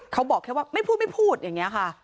เขาบอกแค่ว่าไม่พูดไม่พูดอย่างนี้ค่ะ